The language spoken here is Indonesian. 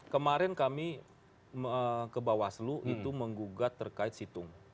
kemarin kami ke bawaslu itu menggugat terkait situng